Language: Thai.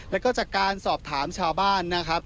แล้วก็จากการสอบถามชาวบ้านนะครับ